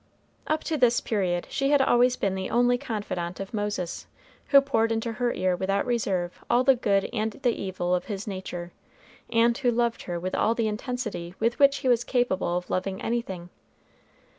Up to this period she had always been the only confidant of Moses, who poured into her ear without reserve all the good and the evil of his nature, and who loved her with all the intensity with which he was capable of loving anything.